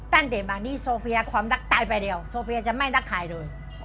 ตั้งแต่มานี่โซเฟียความรักตายไปเดียวโซเฟียจะไม่รักใครเลย